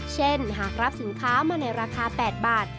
เช่นหากรับสินค้ามาในราคา๘บาท